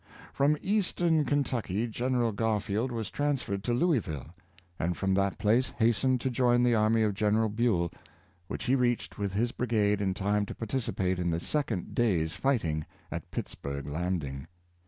From Eastern Kentucky General Garfield was trans ferred to Louisville, and from that place hastened to join the army of General Buel, which he reached with his brigade in time to participate in the second day's fighting at Pittsburg Landing.